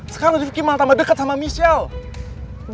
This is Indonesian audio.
sekarang rifki malah tambah deket sama michelle